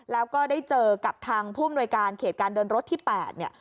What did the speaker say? แล้วก็ได้เจอกับทางผู้อำนวยการเขตการเดินรถที่๘เนี่ย